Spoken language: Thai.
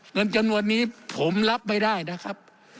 เงินจำนวนนี้ผมรับไม่ได้นะครับ